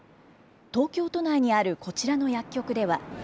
東京都内にあるこちらの薬局では。